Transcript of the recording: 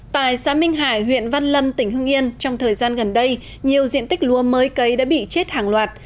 tại xã minh hải huyện văn lâm tỉnh hưng yên trong thời gian gần đây nhiều diện tích lúa mới cấy đã bị chết hàng loạt